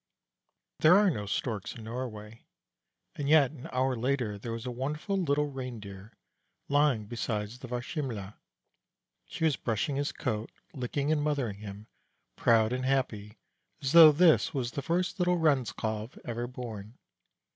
There are no Storks in Norway, and yet an hour later there was a wonderful little Reindeer lying beside the Varsimle'. She was brushing his coat, licking and mothering him, proud and happy as though this was the first little Renskalv ever born.